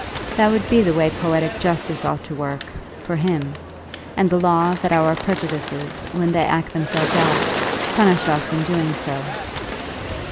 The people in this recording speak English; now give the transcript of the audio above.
That would be the way poetic justice ought to work, for him and the law that our prejudices, when they act themselves out, punish us in doing so.